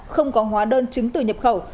không có hóa đơn chứng từ nhập khẩu